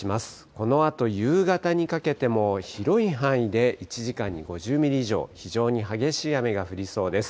このあと夕方にかけても、広い範囲で１時間に５０ミリ以上、非常に激しい雨が降りそうです。